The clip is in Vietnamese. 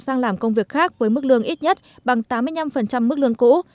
sang làm công việc khác với mức lương ít nhất bằng tám mươi năm mức lương cũ